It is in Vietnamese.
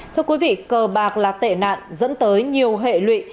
thưa quý vị cờ bạc là tệ nạn dẫn tới nhiều hệ lụy